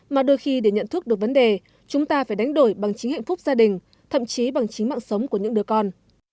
mà đôi khi để nhận thức được vấn đề chúng ta phải đánh đổi bằng chính hạnh phúc gia đình thậm chí bằng chính mạng sống của những đứa con